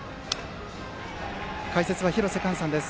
解説は廣瀬寛さんです。